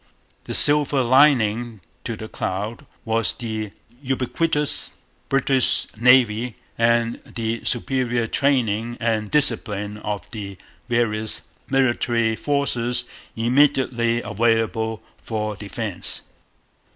The silver lining to the cloud was the ubiquitous British Navy and the superior training and discipline of the various little military forces immediately available for defence.